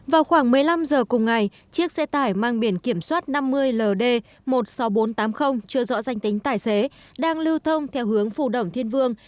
vào khoảng một mươi năm h cùng ngày chiếc xe tải mang biển kiểm soát năm mươi ld một mươi sáu nghìn bốn trăm tám mươi chưa rõ danh tính tài xế đang lưu thông theo hướng phù đồng thiên vương